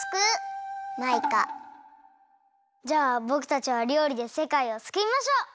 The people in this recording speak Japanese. じゃあぼくたちはりょうりでせかいをすくいましょう！